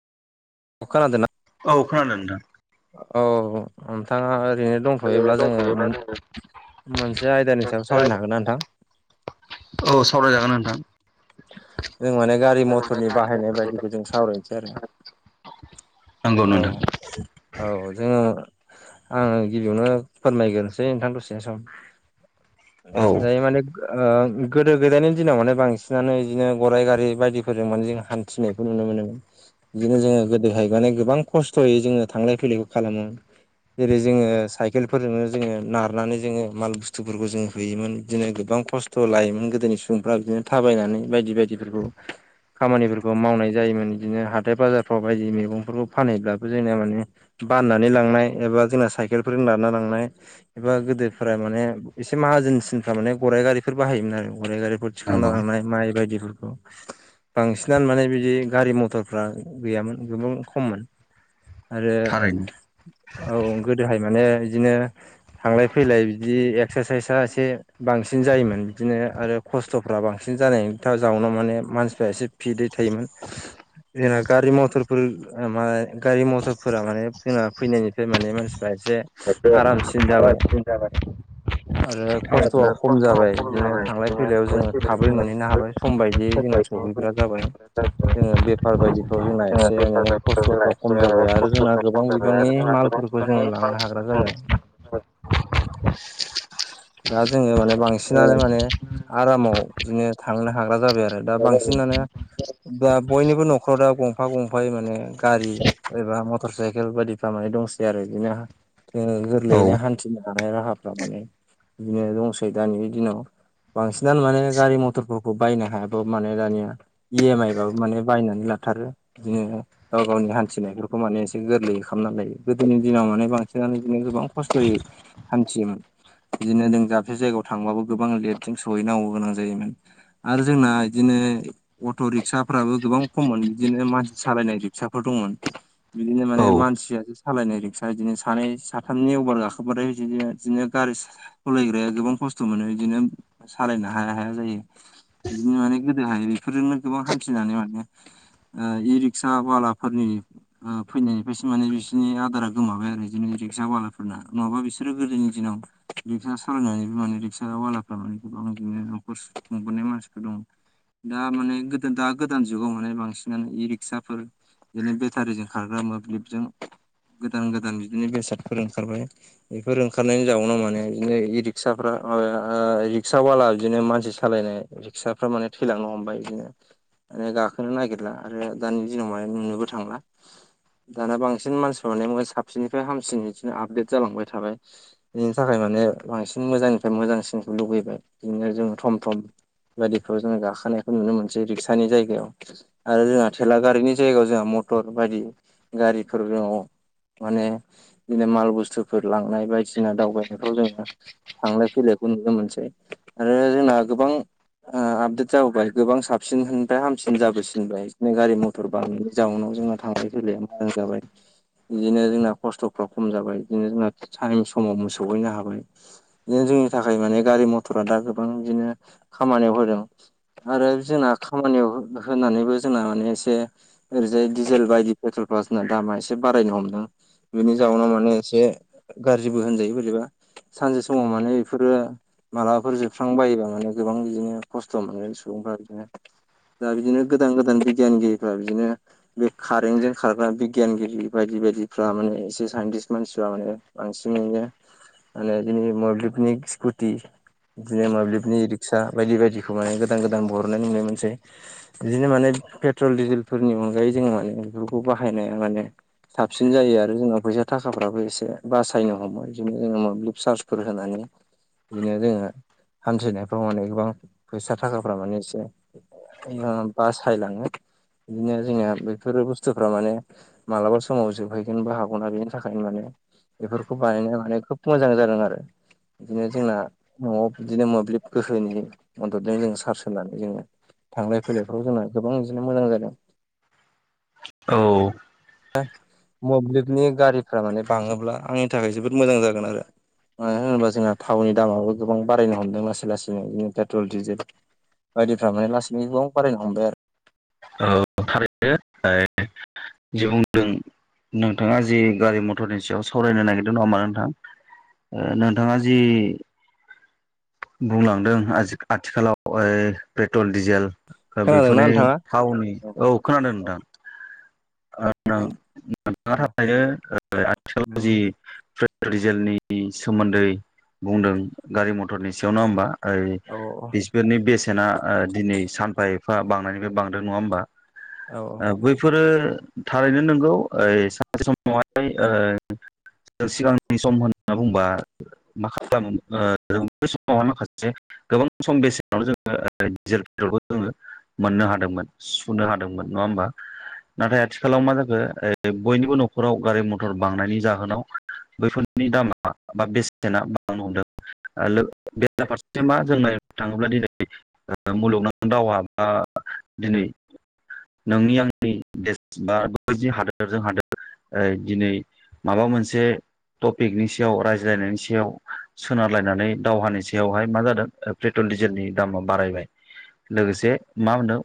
अखा हादोंना? औ खोनादों नोंथां औ नोंथाङा ओरैनो दंथ'योब्ला जोङो मोन-मोनसे आयदानि सायाव सावरायनो हागोन ना नोंथां औ सावरायजागोन नोंथां। जों माने गारि मथरनि बाहायनाय बायदिखौ जों सावरायनोसै आरो नंगौ औ नोंथां औ जोङो आङो गिबियावनो फोरमायग्रोनोसै नोंथां दसे सम [inaudible] दायो माने ओ गोदो गोदायनि दिनाव माने बांसिनानो बिदिनो गराइ गारि बायदिफोरजों माने जों हान थिनायखौ नुनो मोनो बिदिनो जोङो गोदोहाय माने गोबां खस्थ'यै जोङो थांलाय फैलायखौ खालामो जेरै जोङो साइकेलफोरजोंनो जोङो नारनानै जोङो माल बुस्थुफोरखौ जों होयोमोन बिदिनो गोबां खस्थ थ'लायोमोन गोदोनि सुबुंफ्रा बिदिनो थाबायनानै बायदि बायदिफोरखौ खामानिफोरखौ मावनाय जायोमोन बिदिनो हाथाय बाजारफ्राव बायदि मैगं फोरखौ फानहैब्लाबो जोंनिया माने बाननानै लांनाय एबा जोंना साइकेलफोरजों नारना लांनाय एबा गोदोफोरा माने एसे माहाजोनसिनफ्रा माने गराइ गारिफोर बाहायोमोन आरो गराइ गारि गुद थिखांना नंगौ लानाय माइ बायदिफोरखौ बांसिनानो माने बिदि गारि मथरफ्रा गैयामोन गोबां खममोन आरो थारैनो। औ गोदोहाय माने बिदिनो थांलाय फैलाय बिदि एक्सारसाइसआ एसे बांसिन जायोमोन बिदिनो आरो खस्थ'फ्रा बांसिन जानायनि जाउनाव माने मानसिफ्रा एसे फिदै थायोमोन जोंना गारि मथरफोर मा गारि मथरफोरा माने जोंना फैनायनिफ्राय माने मानसिफ्रा एसे खाइसे आरामसिन जाबाय बारा [unintelligible] आरो खस्थ'आ खम जाबाय बिदिनो जाबाय थांलाय बिदिनो फैलायाव थाबाय जोङो फैदों थाबै मोनहैनो जोङो हाबाय सम बायदियै जोङो। सहैग्रा जाबाय जोङो बेफार बायदिफ्राव जोंना एसे बेफार माने बायदिखौ जोंना खस्थ'फ्रा खम जाबाय एसे आरो जोंना खस्थ'फ्रा खम गोबां जाबाय आरो बिबांनि जोंहा गोबां मालफोरखौ बिबांनि जोङो लांनो हाग्रा जाबाय। [unintelligible] दा जोङो माने बांसिनानो माने आरामाव बिदिनो थांनो हाग्रा जाबाय आरो दा बांसिनानो दा बयनिबो न'खराव दा गंफा गंफाय माने गारि एबा मटर साइकेल बायदिफ माने दंसै आरो बिदिनो हा ओह ह औ गोरलैयैनो हान्थिनो हानाय राहाफ्रा माने बिदिनो दंसै दानि दिनाव बांसिनानो माने गारि मथरफोरखौ बायनो हायाथ' माने दानिया इएम आइ बाबो माने बायनानै लाथारो बिदिनो गाव गावनि हान्थिनायफोरखौ माने एसे गोरलैयै खालामना लायो गोदोनि दिनाव माने बांसिनानो बिदिनो गोबां खस्थ'यै हान्थियोमोन बिदिनो जों दाबसे जायगायाव थांबाबो गोबां लेदजों सहैनांगौ गोनां जायोमोन। आरो जोंना बिदिनो अट' रिक्साफ्राबो गोबां खममोन बिदिनो मानसि सालायनाय फिसाफोर दंमोन बिदिनो औ माने मानसिया सालायनाय रिक्सा बिदिनो सानै साथामनि अभार गाखोबाथाय बिदिनो बिदिनो गारि सलायग्राया गोबां खस्थ' मोनो इदिनो सालायनो हाया हाया जायो। बिदिनो माने गोदोहाय बेफोरजोंनो गोबां हान्थिनानै माने ओ इ रिक्सा बालाफोरनि फैनायनिफ्रायसो माने बिसोरनि आदारा गोमाबाय आरो बिदिनो रिक्सा बालाफोरना नङाबा बिसोरो गोदोनि दिनाव रिक्सा सालायनानैबो माने रिक्सा वलाफ्रा माने गोबां बिनो न'खरस खुंबोनाय मानसिफोर दङमोन। दा माने गोदो दा गोदान जुगाव माने बांसिनानो इ रिक्साफोर बिदिनो बेटारिजों खारग्रा मोब्लिबजों गोदान गोदान बिदिनो बेसादफोर ओंखारबाय। बेफोर ओंखारनायनि जाउनाव माने बिदिनो इ ओ-ओ रिक्साफ्रा माब रिक्स बला बिदिनो मानसि सालायनाय रिक्साफ्रा माने थैलांनो हमबाय बिदिनो माने गाखोनो नागिरला आरो दानि दिनाव माने नुनोबो थांला। दाना बांसिन मानसिफोरानो माने साबसिननिफ्राय हामसिन बिदिनो आपडेट जालांबाय थाबाय। बिनि थाखाय माने बांसिन मोजांनिफ्राय मोजांसिनखौ लुबैबाय बिदिनो जों थम थम बायदिफ्राव जोङ गाखोनायखौ नुनो मोनसै रिक्सानि जायगायाव आरो जोंहा थेलागारिनि जायगायाव जोंहा मटर बायदि गारिफोर दङ। माने बिदिनो माल बुस्थुफोर लांनाय बायदिसिना दावबायनायफ्राव जोङो थांलाय फैलायखौ नुनो मोनसै आरो जोंना गोबां ओ आपदेट जाबोबाय गोबां साबसिननिफ्राय हामसिन जाबोसिनबाय बिदिनो गारि मथर फोरब जाउनाव जोंहा थांलाय फैलाया मोजां जाबाय। बिदिनो जोंना खस्थ'फ्रा खम जाबाय बिदिनो जोंना टाइम समाव मोसौहैनो हाबाय। बिदिनो जोंनि थाखाय माने गारि मथरा दा गोबां बिदिनो खामानियाव होदों। आरो जोंना खामानियाव होनानैबो जोंना माने एसे ओरैजाय डिजेल बायदि पेट्रल फ्रा जोंना दामा एसे बारायनो हमदों। बिनि जाउनाव माने एसे गाज्रिबो होनजायो बोरैबा सानसे समाव माने इफोरो मालाबफोर जोबस्रांबायोबा माने गोबां बिदिनो खस्थ' मोनगोन सुबुंफ्रा बिदिनो दा बिदिनो गोदान-गोदान बिगियानगिरिफ्रा बिदिनो बे कारेनटजों खारग्रा बिगियानगिरि बायदि बायदिफ्रा माने एसे साइन्टिस्ट मानसिफ्रा माने बांसिनैनो माने बिनि मोब्लिबनि स्कुटि बिदिनो मोब्लिबनि रिक्सा बायदि बायदिखौ माने गोदान गोदान बरननाइ नुनाय मोनसै। बिदिनो माने पेट्रल डिजेलफोरनि अनगायै जोङो माने बेफोरखौ बाहायनाया माने साबसिन जायो आरो जोङो फैसा थाखाफ्राबो एसे बासायनो हमो बिदिनो जोङो मोब्लिब चार्जफोर होनानै। दिनो जोङो हान्थिनायफ्राव माने गोबां फैसा थाखाफ्रा माने एसे ओ बासायलाङो दिनो जोंनिया बैफोरो बुस्थुफ्रा माने मालाबा समाव जोबहैगोन बा हागौना बेनि थाखायनो माने बेफोरखौ बानायनाय माने खोब मोजां जादों आरो। दिनो जोंना न'आव बिदिनो मोब्लिब गोहोनि मददजों जों सार्स होनानै जोङो थांलाय फैलायफ्राव जोंना गोबां इदिनो मोजां जादों। औ दा मोब्लिबनि गारिफ्रा माने बाङोब्ला आंनि थाखाय जोबोद मोजां जागोन आरो। मानो होनोबा जोंहा थावनि दामाबो गोबां बारायनो हमदों लासै लासैनो दिनो पेट्रल डिजेल बायदिफ्रा माने लासैनो गोबाव बारायनो हमबाय आरो। औ थारैनो। [unintelligible] जि बुंदों नोंथाङा जि गारि मथरनि सायाव सावरायनो नागिरदों नङा होमबा नोंथां? ओ नोंथाङा जि बुंलांदों आजि आथिखालाव ओ प्रेटल डिजेल ओ खोनादोंना बेफोरनि नोंथाङा थावनि औ खोनादों नोंथां। [unintelligible] आथिखालाव जि [unintelligible] डिजेलनि सोमोन्दै बुंदों गारि मथरनि सायाव नङा होमबा? ओइ औ बिसफोरनि बेसेना ओ दिनै सानफा एफा बांनायनिफाय बांदों नङा होमबा? औ ओ बैफोरो थारैनो नोंगौ ओ सानसे समावहाय ओ जों सिगांनि सम होनना बुंबा [unintelligible] गोबां सम बेसेनावनो जोङो [unintelligible] डिजेलखौबो जोङो मोननो हादोंमोन सुुनो हादोंमोन नङा होमबा नाथाय आ थिखालाव मा जाखो ओ बयनिबो न'खराव गारि मथर बांनायनि जाहोनाव बैफोरनि दामा बा बेसेना बांनो हमदों। ओ लोगो बेरा फारसेथि मा जों नाय थाङोब्ला दिनै ओ मुलुगनां दावहा बा दिनै नोंनि आंनि बा बै हादोरजों हादोर ओ दिनै माबा मोनसे टपिकनि सायाव रायज्लायनायनि सायाव सोनारलायनानै दावहानि सायावहाय मा जादों प्रेटल डिजेलनि दामा बारायबाय। लोगोसे मा होनदों